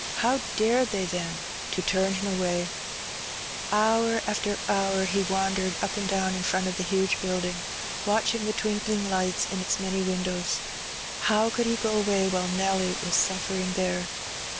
How dared they, then, to turn him away ? Hour after hour he wandered up and down in front of the huge building, watching the twinkling lights in its many windows. How could he go away while Nelly was suflfering there?